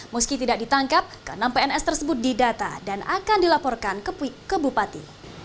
meski tidak ditangkap ke enam pns tersebut didata dan akan dilaporkan ke bupati